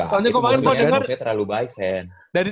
soalnya kemarin gue denger